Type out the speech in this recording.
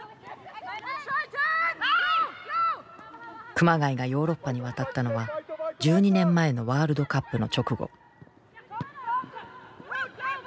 熊谷がヨーロッパに渡ったのは１２年前のワールドカップの直後。